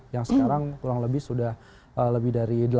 yang sekarang kurang lebih sudah lebih dari dua puluh